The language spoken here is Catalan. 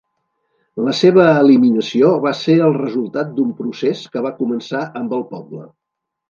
La seva eliminació va ser el resultat d'un procés que va començar amb el poble.